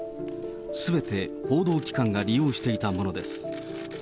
すべて報道機関が利用していたものです。